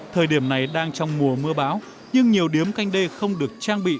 thời điểm này đang trong mùa mưa bão nhưng nhiều điếm canh đê không được trang bị